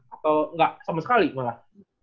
atau enggak sama sekali malah